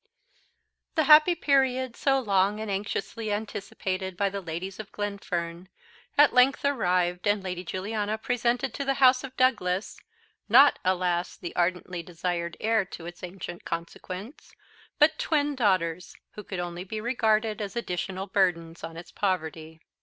THE happy period, so long and anxiously anticipated by the ladies of Glenfern, at length arrived and Lady Juliana presented to the house of Douglas not, alas! the ardently desired heir to its ancient consequence, but twin daughters, who could only be regarded as additional burdens on its poverty.